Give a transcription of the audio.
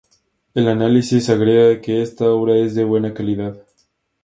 El análisis agrega que 'esta obra es de buena calidad'.